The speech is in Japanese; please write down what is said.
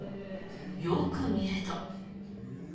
よく見ると。